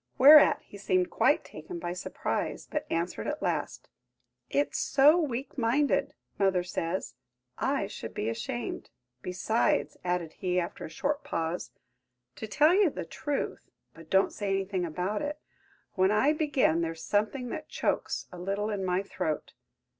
Whereat he seemed quite taken by surprise, but answered at last: "It's so weak minded, mother says; I should be ashamed. Besides," added he, after a short pause, "to tell you the truth–but don't say anything about it–when I begin there's something that chokes a little in my throat.